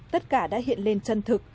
tất cả đã hiện lên chân thực